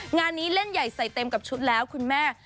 งานนี้เล่นใหญ่ใส่เต็มกับชุดแล้วคุณแม่